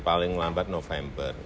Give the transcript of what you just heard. paling lambat november